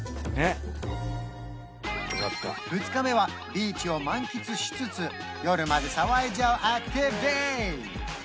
２日目はビーチを満喫しつつ夜まで騒いじゃうアクティブＤＡＹ